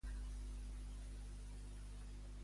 L'economia catalana va millor ara que abans de la crisi.